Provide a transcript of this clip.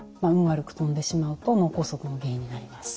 悪く飛んでしまうと脳梗塞の原因になります。